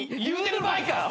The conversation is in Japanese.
言うてる場合か！